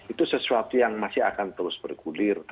itu sesuatu yang masih akan terus bergulir